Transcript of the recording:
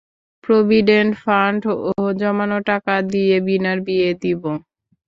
Provident fund ও জামানো টাকা দিয়ে ভীনার বিয়ে দিবো।